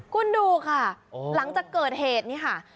คุณดูค่ะหลังจากเกิดเหตุนี่ค่ะ